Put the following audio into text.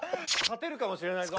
勝てるかもしれないぞ。